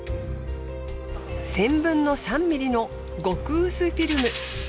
１，０００分の３ｍｍの極薄フィルム。